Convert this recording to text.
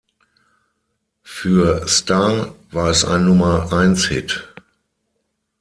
Für Starr war es ein Nummer-eins-Hit.